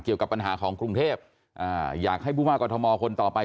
เกี่ยวกับปัญหาของกรุงเทพอ่าอยากให้ผู้ว่ากรทมคนต่อไป